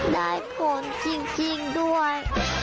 ได้ผลจริงด้วย